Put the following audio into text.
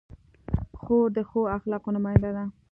خور د ښو اخلاقو نماینده ده.